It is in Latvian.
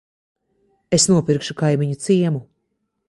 Es nopirkšu kaimiņu ciemu.